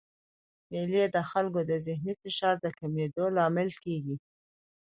مېلې د خلکو د ذهني فشار د کمېدو لامل کېږي.